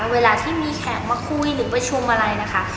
เวลาที่ไม่ใช่มาคุยหรือว่าชมอะไรนะคะ